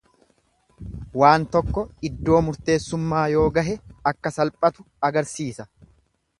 Waan tokko iddoo murteessummaa yoo gahe akka salphatu agarsiisa.